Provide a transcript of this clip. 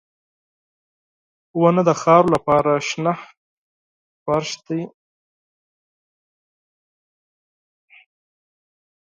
• ونه د خاورو لپاره شنه فرش دی.